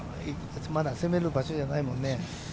まだ攻める場所じゃないもんね。